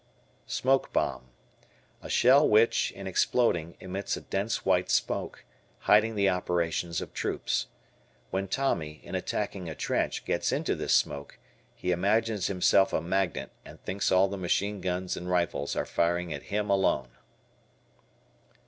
Smoke Bomb. A shell which, in exploding, emits a dense white smoke, hiding the operations of troops. When Tommy, in attacking a trench, gets into this smoke, he imagines himself a magnet and thinks all the machine guns and rifles are firing at him alone.